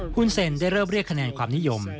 คุณเซ็นได้เริ่มเรียกคะแนนความนิยม